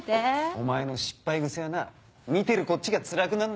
お前の失敗癖はな見てるこっちがつらくなるんだよ。